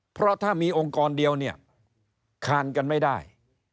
เพราะถ้ามีองค์กรเดียวเนี่ยคานกันไม่ได้